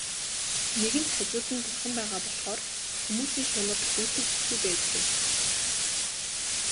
Нэгэнт хажууд нь Бурхан байгаа болохоор хүмүүсийн шунал гүйцэгддэггүй байж гэнэ.